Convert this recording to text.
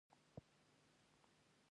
حقيقت دا دی چې علم د پرمختګ پيل ټکی دی.